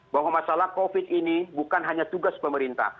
bahwa masalah covid ini bukan hanya tugas pemerintah